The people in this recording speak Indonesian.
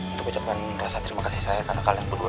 untuk ucapkan rasa terima kasih saya karena kalian berdua